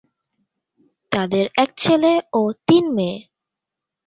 তাদের এক ছেলে ও তিন মেয়ে।